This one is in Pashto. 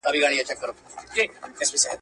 کبابي په خپلو لاسو کې د اور نښې لرلې.